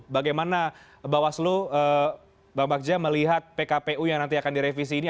bagaimana mbak waslu mbak bagja melihat pkpw yang nanti akan direvisi ini